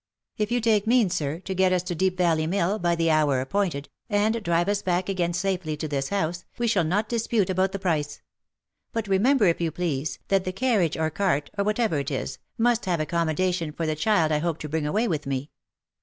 " If you take means, sir, to getusto Deep Valley Mill, by the hour appointed, and drive us back again safely to this house, we shall not dispute about the price. But remember, if you please, that the carriage, or cart, or whatever it is, must have accommodation for the child I hope to bring away with me."